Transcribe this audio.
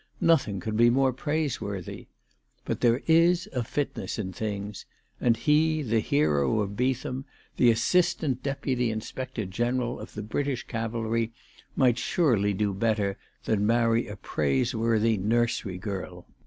Nothing could be more praiseworthy. But there is a fitness in things; and he, the hero of * Beetham, the Assistant Deputy Inspector General of the British Cavalry, might surely do better than marry a praiseworthy nursery girl.